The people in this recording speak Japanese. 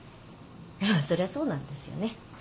まあそりゃそうなんですよね。